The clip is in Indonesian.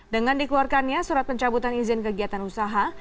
dengan dikeluarkannya surat pencabutan izin kegiatan usaha